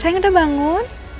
sayang udah bangun